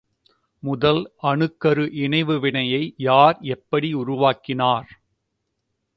முதல் அணுக்கரு இணைவு வினையை யார், எப்படி உருவாக்கினார்?